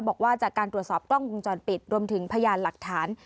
บอกว่าจากการตรวจสอบกล้องวงจรปิดรวมถึงพยานหลักฐาน